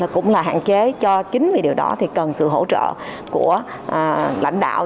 cũng là hạn chế cho chính vì điều đó thì cần sự hỗ trợ của lãnh đạo